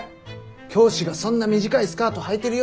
教師がそんな短いスカートはいてるようじゃ